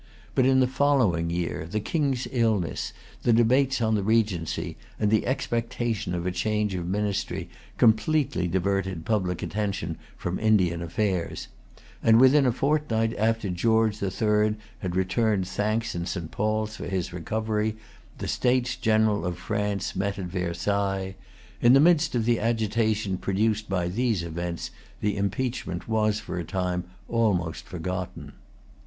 But in the following year the King's illness, the debates on the Regency, the expectation of a change of Ministry, completely diverted public attention from Indian affairs; and within a fortnight after George the Third had[Pg 230] returned thanks in St. Paul's for his recovery, the States General of France met at Versailles. In the midst of the agitation produced by these events, the impeachment was for a time almost forgotten.